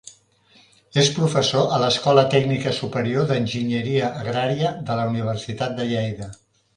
És professor a l'Escola Tècnica Superior d'Enginyeria Agrària, de la Universitat de Lleida.